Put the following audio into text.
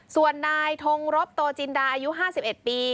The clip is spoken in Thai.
ส่วนนายทงรบโตจินดาอายุ๕๑ปี